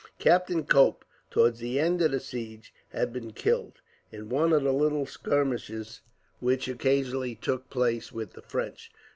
Captain Cope, towards the end of the siege, had been killed, in one of the little skirmishes which occasionally took place with the French.